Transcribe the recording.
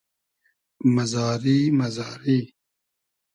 مئزاری مئزاری